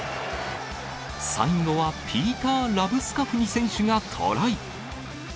最後はピーター・ラブスカフニ選手がトライ。